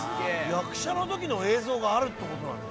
役者の時の映像があるって事なんだ。